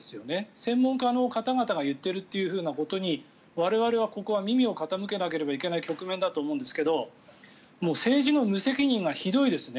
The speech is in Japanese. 専門家の方々が言っているようなことに我々はここは耳を傾けなければいけない局面だと思うんですけど政治の無責任がひどいですね。